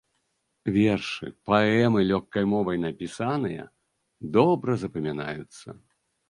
Вершы, паэмы лёгкай мовай напісаныя, добра запамінаюцца.